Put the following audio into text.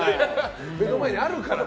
目の前にあるからね。